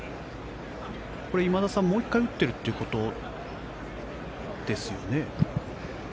今田さん、もう１回打ってるってことですよね？